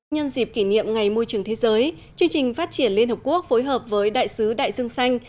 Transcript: nhân dịp kỷ niệm ngày môi trường thế giới chương trình phát triển liên hợp quốc phối hợp với đại sứ đại dương xanh